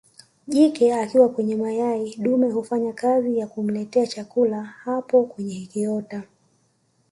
Jike akiwa kwenye mayai dume hufanya kazi ya kumletea chakula hapo kwenye kiota